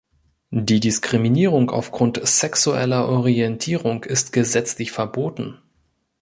Die Diskriminierung aufgrund sexueller Orientierung ist gesetzlich verboten.